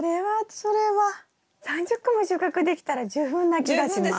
３０個も収穫できたら十分な気がします。